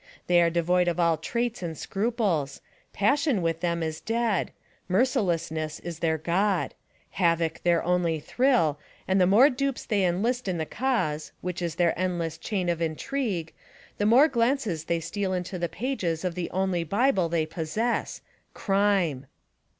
They are devoid of all traits and scruples; passion SPY PROOF AMERICA within them is dead ; mercilessness is their God ; havoc their only thrill, and the more dupes they enhst in the cause, which is their endless chain of intrigue, the more glances they steal into the pages of the only Bible they possess : Crime